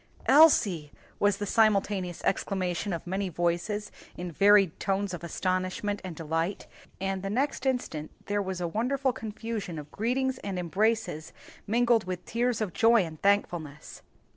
"Elsie!" was the simultaneous exclamation of many voices in varied tones of astonishment and delight, and the next instant there was a wonderful confusion of greetings and embraces mingled with tears of joy and thankfulness.